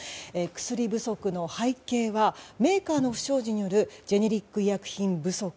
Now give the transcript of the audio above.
薬不足の背景はメーカーの不祥事によるジェネリック医薬品不足。